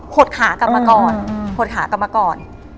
หดขากลับมาก่อน